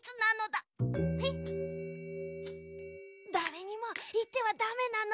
だれにもいってはダメなのだ。